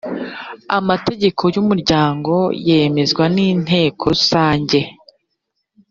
amategeko y umuryango yemezwa n inteko rusange